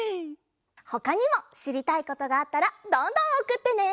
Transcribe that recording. ほかにもしりたいことがあったらどんどんおくってね！